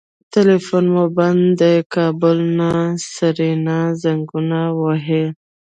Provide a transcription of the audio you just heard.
ټليفون مو بند دی کابل نه سېرېنا زنګونه وهي.